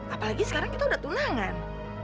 apalagi sekarang kita udah tunangan